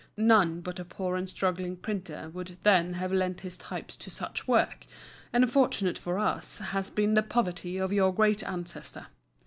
None but a poor and struggling printer would then have lent his types to such work, and fortunate for us has been the poverty of your great ancestor.